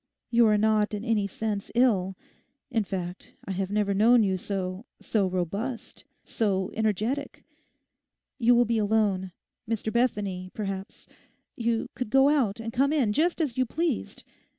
You are not in any sense ill. In fact, I have never known you so—so robust, so energetic. You will be alone: Mr Bethany, perhaps.... You could go out and come in just as you pleased.